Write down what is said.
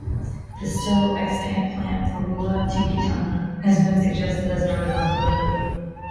The still-extant plant "Ferula tingitana" has been suggested as another possibility.